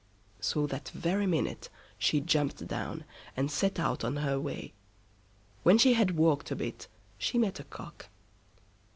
So that very minute she jumped down, and set out on her way. When she had walked a bit she met a Cock.